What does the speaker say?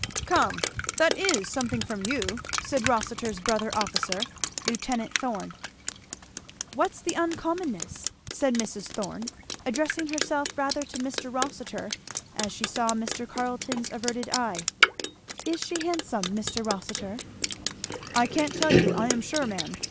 "Come! That is something, from you," said Rossitur's brother officer, Lieut. Thorn. "What's the uncommonness?" said Mrs. Thorn, addressing herself rather to Mr. Rossitur as she saw Mr. Carleton's averted eye; "Is she handsome, Mr. Rossitur?" "I can't tell you, I am sure, ma'am.